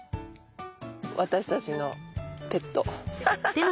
私たちのペット。